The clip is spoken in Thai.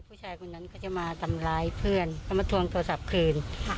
ผู้ชายคนนั้นก็จะมาทำร้ายเพื่อนเขามาทวงโทรศัพท์คืน